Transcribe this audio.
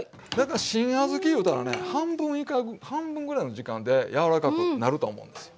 新小豆いうたらね半分ぐらいの時間で柔らかくなると思うんですよ。